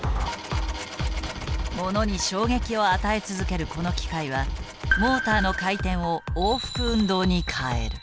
物に衝撃を与え続けるこの機械はモーターの回転を往復運動に換える。